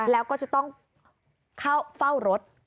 แล้วก็จะต้องเข้าเฝ้ารถ